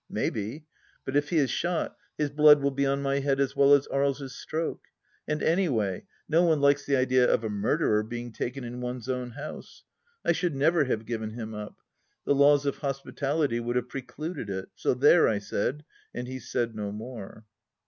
Maybe ; but if he is shot, his blood will be on my head as well as Aries' stroke. ... And any way, no one likes the idea of a murderer being taken in one's own house. I should never have given him up. The laws of hospitality would have precluded it, so there, I said ; and he said no more.